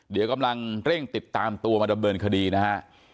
เดี๋ยวกำลังเร่งติดตามตัวมาดำเนินคดีนะฮะ